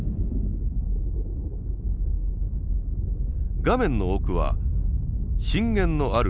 画面の奥は震源のある西。